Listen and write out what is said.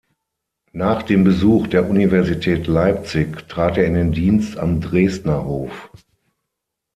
Nach dem Besuch der Universität Leipzig trat er in den Dienst am Dresdner Hof.